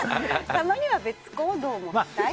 たまには別行動も大事。